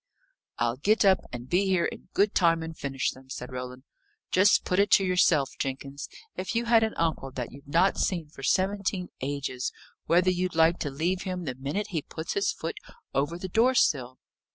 "I'll get up, and be here in good time and finish them," said Roland. "Just put it to yourself, Jenkins, if you had an uncle that you'd not seen for seventeen ages, whether you'd like to leave him the minute he puts his foot over the door sill."